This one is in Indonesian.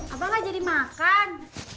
apa gak jadi makan